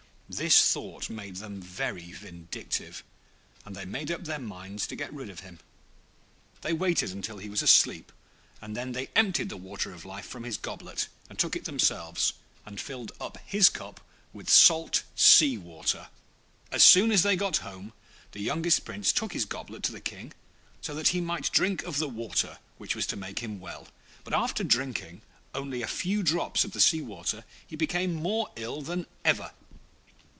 This thought made them very vindictive, and they made up their minds to get rid of him. They waited till he was asleep, and then they emptied the Water of Life from his goblet and took it themselves, and filled up his cup with salt sea water. As soon as they got home the youngest Prince took his goblet to the King, so that he might drink of the water which was to make him well; but after drinking only a few drops of the sea water he became more ill than ever.